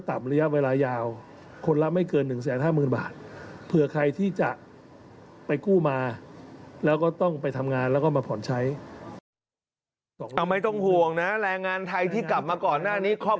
ควบคุมถึงท่านด้วยนะนะครับ